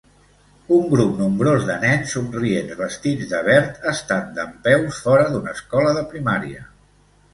Un grup nombrós de nens somrients vestits de verd estan dempeus fora d'una escola de primària.